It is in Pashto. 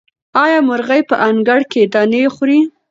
آیا مرغۍ په انګړ کې دانې خوري؟